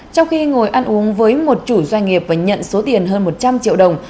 trong khi ngồi ăn uống với một chủ doanh nghiệp và nhận số tiền hơn một trăm linh triệu đồng